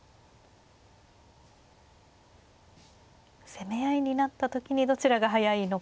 攻め合いになった時にどちらが速いのか。